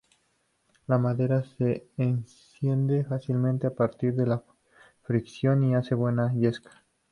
La madera se enciende fácilmente a partir de la fricción y hace buena yesca.